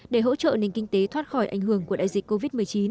để hỗ trợ nền kinh tế thoát khỏi ảnh hưởng của đại dịch covid một mươi chín